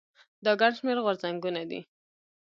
دا ګڼ شمېر غورځنګونه دي.